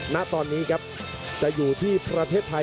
ณตอนนี้ครับจะอยู่ที่ประเทศไทย